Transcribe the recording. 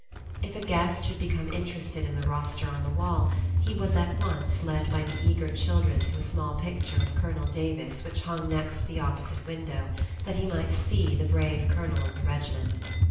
If a guest should become interested in the roster on the wall, he was at once led by the eager children to a small picture of Colonel Davis which hung next the opposite window, that he might see the brave Colonel of the Regiment.